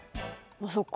あっそっか。